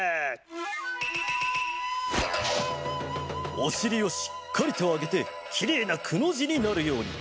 おしりをしっかりとあげてきれいな「く」のじになるように。